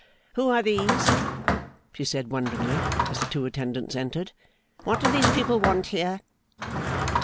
'Who are these?' she said, wonderingly, as the two attendants entered. 'What do these people want here?